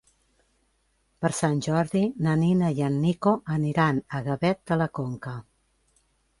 Per Sant Jordi na Nina i en Nico aniran a Gavet de la Conca.